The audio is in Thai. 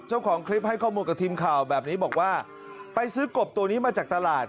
เจ้าของคลิปให้ข้อมูลกับทีมข่าวแบบนี้บอกว่าไปซื้อกบตัวนี้มาจากตลาด